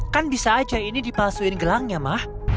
kan bisa aja ini dipalsuin gelangnya mah